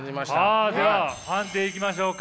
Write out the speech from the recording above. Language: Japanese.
あでは判定いきましょうか。